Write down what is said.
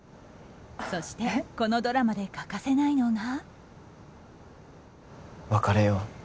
そして、このドラマで欠かせないのが。